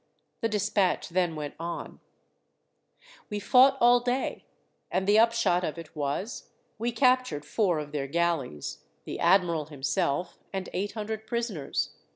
The despatch then went on: "We fought all day, and the upshot of it was, we captured four of their galleys, the admiral himself, and eight hundred prisoners.